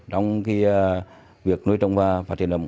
trong việc nối trồng và phát triển nấm